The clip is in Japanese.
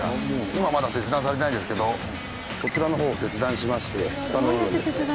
今まだ切断されてないんですけどこちらの方を切断しまして下の部分ですね。